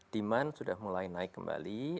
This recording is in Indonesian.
demand sudah mulai naik kembali